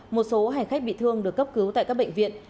một số hành khách bị thương được cấp cứu tại các bệnh viện